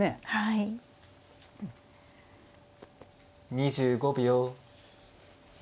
２５秒。